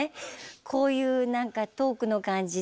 こういう何かトークの感じで。